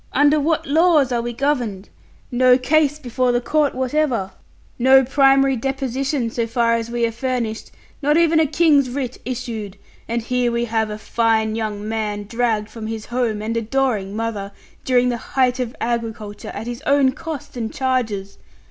Under what laws are we governed? No case before the court whatever; no primary deposition, so far as we are furnished; not even a King's writ issued and here we have a fine young man dragged from his home and adoring mother, during the height of agriculture, at his own cost and charges!